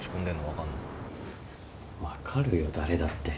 分かるよ誰だって。